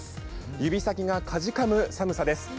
指先がかじかむ寒さです。